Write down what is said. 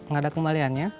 gak ada kembaliannya